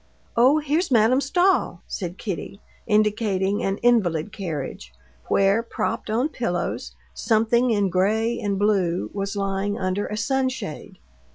"Oh, here's Madame Stahl," said Kitty, indicating an invalid carriage, where, propped on pillows, something in gray and blue was lying under a sunshade.